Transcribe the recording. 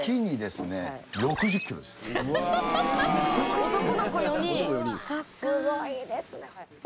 すごいですね。